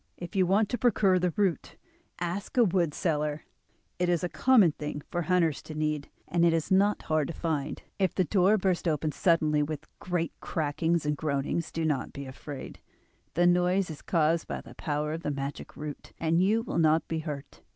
If you want to procure the root ask a wood seller; it is a common thing for hunters to need, and it is not hard to find. If the door bursts open suddenly with great crackings and groanings do not be afraid, the noise is caused by the power of the magic root, and you will not be hurt.